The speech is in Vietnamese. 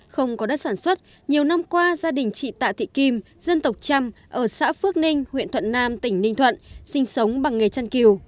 không có đất sản xuất nhiều năm qua gia đình chị tạ thị kim dân tộc trăm ở xã phước ninh huyện thuận nam tỉnh ninh thuận sinh sống bằng nghề chăn kiều